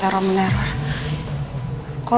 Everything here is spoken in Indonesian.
kalau berundingnya riki gak diperingat